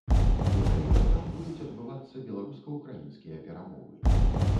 Менавіта там будуць адбывацца беларуска-украінскія перамовы.